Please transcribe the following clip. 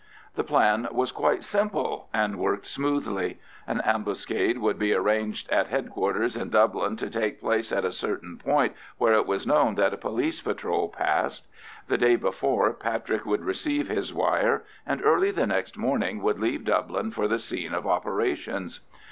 The plan was quite simple, and worked smoothly. An ambuscade would be arranged at H.Q.'s in Dublin to take place at a certain point where it was known that a police patrol passed. The day before Patrick would receive his wire, and early the next morning would leave Dublin for the scene of operations.